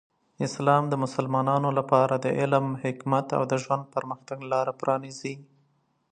اسلام د مسلمانانو لپاره د علم، حکمت، او د ژوند پرمختګ لاره پرانیزي.